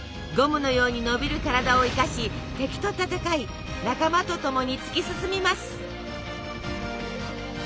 ゴムのように伸びる体を生かし敵と戦い仲間と共に突き進みます！